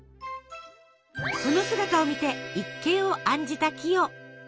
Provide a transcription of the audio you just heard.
その姿を見て一計を案じたキヨ。